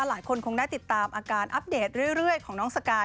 หลายคนคงได้ติดตามอาการอัปเดตเรื่อยของน้องสกาย